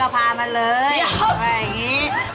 ตอนที่พ่อมาเล่าให้แม่ฟังเนี่ย